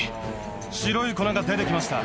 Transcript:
白い粉が出て来ました。